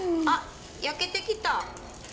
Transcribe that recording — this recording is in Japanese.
あっ焼けてきた。